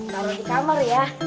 taruh di kamar ya